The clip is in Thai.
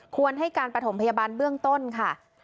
ควรให้การประถมพยาบาลเบื้องต้นค่ะ